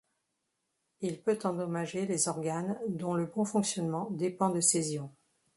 Il peut endommager les organes dont le bon fonctionnement dépend de ces ions.